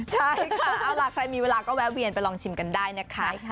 ใช่ค่ะเอาล่ะใครมีเวลาก็แวะเวียนไปลองชิมกันได้นะคะ